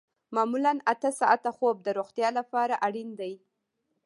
معمولاً اته ساعته خوب د روغتیا لپاره اړین دی